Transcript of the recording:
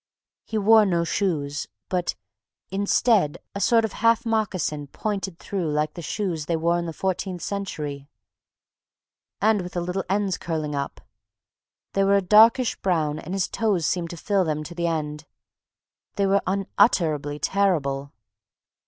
He wore no shoes, but, instead, a sort of half moccasin, pointed, though, like the shoes they wore in the fourteenth century, and with the little ends curling up. They were a darkish brown and his toes seemed to fill them to the end.... They were unutterably terrible....